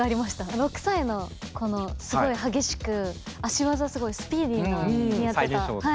６歳の子のすごい激しく足技すごいスピーディーにやってた。